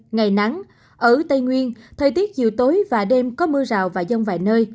ngày nắng ở tây nguyên thời tiết chiều tối và đêm có mưa rào và dông vài nơi